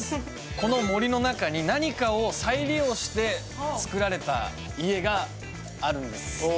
この森の中に何かを再利用して作られた家があるんです